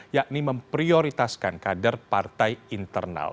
yakni memprioritaskan kader partai internal